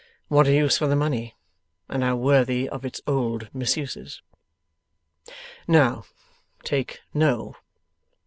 What a use for the money, and how worthy of its old misuses! 'Now, take no.